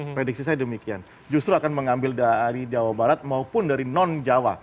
prediksi saya demikian justru akan mengambil dari jawa barat maupun dari non jawa